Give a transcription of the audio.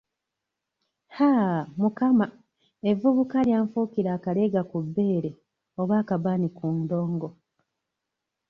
Haaa! Mukama, evvubuka lyanfuukira akaleega ku bbeere, oba akabaani ku ndongo.